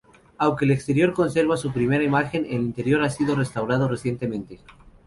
Aunque el exterior conserva su primitiva imagen, el interior ha sido restaurado recientemente.